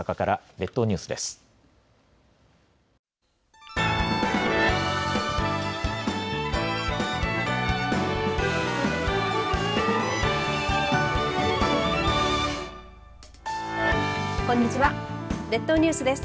列島ニュースです。